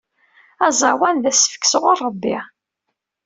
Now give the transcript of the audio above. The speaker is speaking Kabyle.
Aẓawan d asefk sɣur Ṛebbi.